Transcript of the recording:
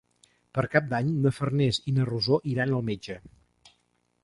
Per Cap d'Any na Farners i na Rosó iran al metge.